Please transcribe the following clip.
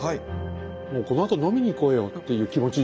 もうこのあと飲みに行こうよっていう気持ちになる。